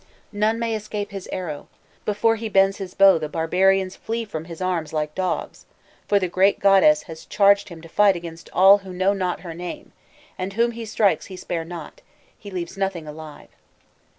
None may escape his arrow; before he bends his bow the barbarians flee from his arms like dogs, for the great goddess has charged him to fight against all who know not her name, and whom he strikes he spares not; he leaves nothing alive."